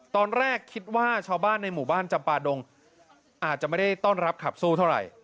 ตอนแรกคิดว่าชาวบ้านในหมู่บ้านจำปาดงอาจจะไม่ได้ต้อนรับขับสู้เท่าไหร่